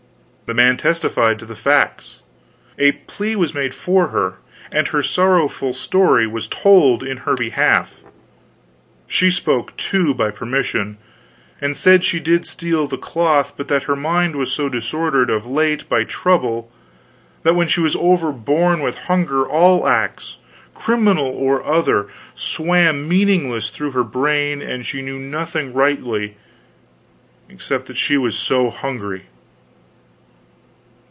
The man testified to the facts. A plea was made for her, and her sorrowful story was told in her behalf. She spoke, too, by permission, and said she did steal the cloth, but that her mind was so disordered of late by trouble that when she was overborne with hunger all acts, criminal or other, swam meaningless through her brain and she knew nothing rightly, except that she was so hungry!